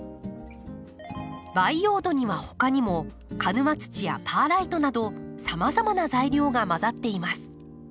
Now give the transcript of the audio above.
培養土にはほかにも鹿沼土やパーライトなどさまざまな材料が混ざっています。